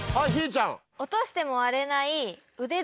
ちゃん。